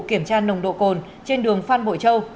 kiểm tra nồng độ cồn trên đường phan bội châu